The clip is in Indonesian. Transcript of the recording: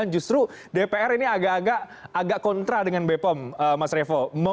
justru dpr ini agak agak kontra dengan bepom mas revo